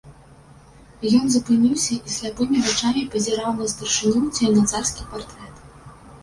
Ён запыніўся і сляпымі вачамі пазіраў на старшыню ці на царскі партрэт.